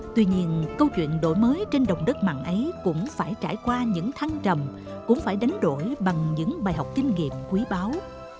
tuy nhiên câu chuyện đổi mới trên đồng đất mặn ấy cũng phải trải qua những thăng trầm cũng phải đánh đổi bằng những bài học kinh nghiệm quý báo